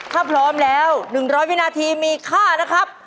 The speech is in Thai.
ถ้าพร้อมแล้ว๑๐๐วินาทีมีค่านะครับ